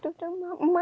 itu sama mama